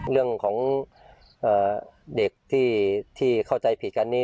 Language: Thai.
เรื่องของเด็กที่เข้าใจผิดกันนี้